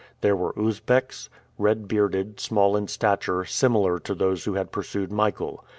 There were Usbecks, red bearded, small in stature, similar to those who had pursued Michael.